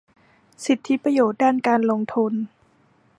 สิทธิประโยชน์ด้านการลงทุน